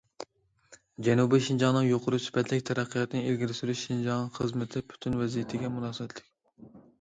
جەنۇبىي شىنجاڭنىڭ يۇقىرى سۈپەتلىك تەرەققىياتىنى ئىلگىرى سۈرۈش شىنجاڭ خىزمىتى پۈتۈن ۋەزىيىتىگە مۇناسىۋەتلىك.